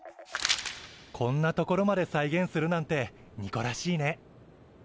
こんな所まで再現するなんてニコらしいね。